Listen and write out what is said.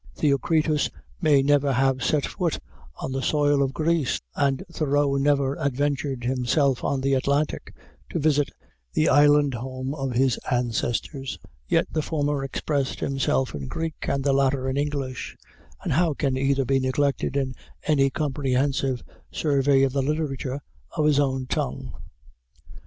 Theocritus may never have set foot on the soil of Greece, and Thoreau never adventured himself on the Atlantic to visit the island home of his ancestors; yet the former expressed himself in Greek and the latter in English, and how can either be neglected in any comprehensive survey of the literature of his own tongue?